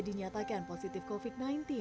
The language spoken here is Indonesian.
dinyatakan positif covid sembilan belas